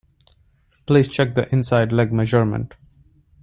Please check the inside leg measurement